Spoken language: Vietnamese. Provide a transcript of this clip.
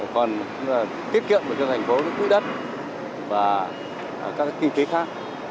còn tiết kiệm cho thành phố tủ đất và các kinh tế khác